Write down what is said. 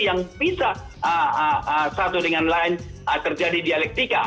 yang bisa satu dengan lain terjadi dialektika